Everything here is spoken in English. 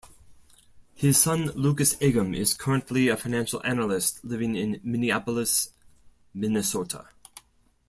His son, Lucas Eggum, is currently a Financial Analyst living in Minneapolis, Minnesota.